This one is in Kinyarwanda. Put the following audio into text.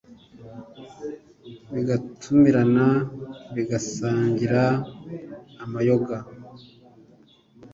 bigatumirana bigasangira amayoga.